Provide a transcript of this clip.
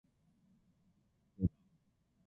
私は、大学生だ。